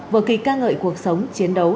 vừa kỳ ca ngợi cuộc sống chiến đấu